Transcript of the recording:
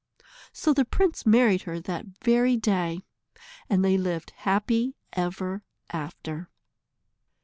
So the prince married her that very day, and they lived happy ever after.